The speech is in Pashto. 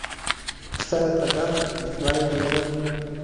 ستا يې قدم ، زما يې ليمه.